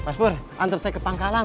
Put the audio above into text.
mas pur antar saya ke pangkalan